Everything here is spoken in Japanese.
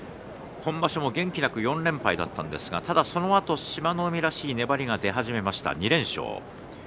今場所も元気なく４連敗だったんですがそのあと志摩ノ海らしい粘りが出始めました２連勝。